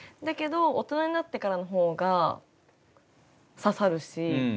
だけど大人になってからのほうが刺さるし。